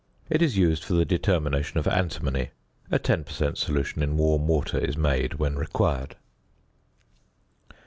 It is used for the determination of antimony. A 10 per cent. solution in warm water is made when required.